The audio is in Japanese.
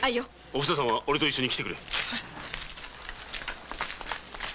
おふささんは一緒に来てくれ。